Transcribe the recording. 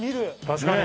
確かに。